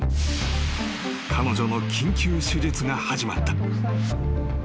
彼女の緊急手術が始まった］